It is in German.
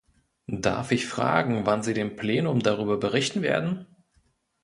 Darf ich fragen, wann Sie dem Plenum darüber berichten werden?